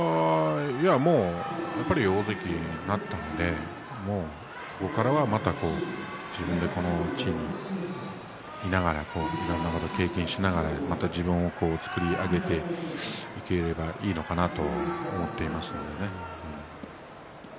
やっぱり大関になったのでここからは自分でこの地位にいながら経験しながら、自分を作り上げていければいいのかなと思っていますのでね。